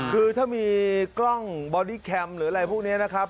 คือถ้ามีกล้องบอดี้แคมป์หรืออะไรพวกนี้นะครับ